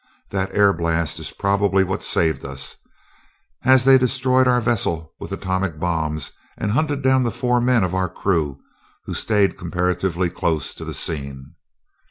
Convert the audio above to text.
That air blast is probably what saved us, as they destroyed our vessel with atomic bombs and hunted down the four men of our crew, who stayed comparatively close to the scene.